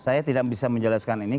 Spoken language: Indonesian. saya tidak bisa menjelaskan ini